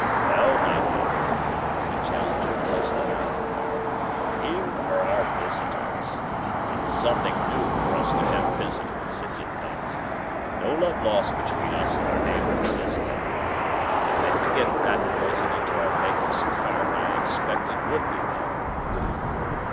"Well, my dear," said Challenger, bustling out of the car, "here are our visitors. It is something new for us to have visitors, is it not? No love lost between us and our neighbors, is there? If they could get rat poison into our baker's cart, I expect it would be there."